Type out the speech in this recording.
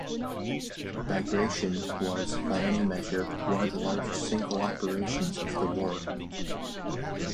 "Bagration" was, by any measure, one of the largest single operations of the war.